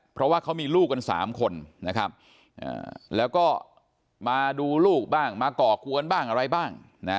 เพราะว่าเขามีลูกกัน๓คนนะครับแล้วก็มาดูลูกบ้างมาก่อกวนบ้างอะไรบ้าง